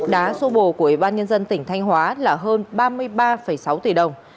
đá sô bồ của ủy ban nhân dân tỉnh thanh hóa là hơn ba mươi ba sáu tỷ đồng